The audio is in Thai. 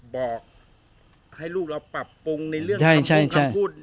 บอกให้ลูกเราปรับปรุงในเรื่องของคำพูด